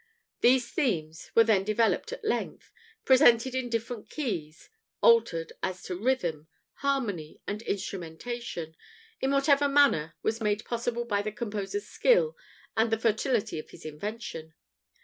These themes were then developed at length presented in different keys, altered as to rhythm, harmony, and instrumentation, in whatever manner was made possible by the composer's skill and the fertility of his invention.